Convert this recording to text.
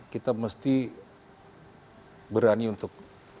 kita mesti berani untuk